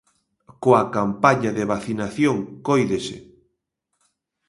Coa campaña de vacinación cóidese.